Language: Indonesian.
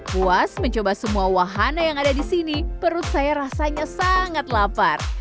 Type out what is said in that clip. puas mencoba semua wahana yang ada di sini perut saya rasanya sangat lapar